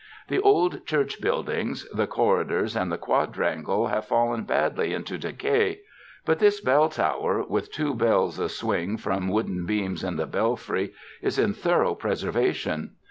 The old church build ings, the corridors and the quadrangle have fallen badly into decay, but this bell tower with two bells a swing from wooden beams in the belfry is in thor ough preservation.